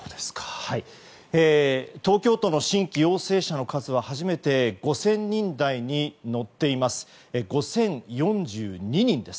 東京都の新規陽性者の数は初めて５０００人台に乗っています。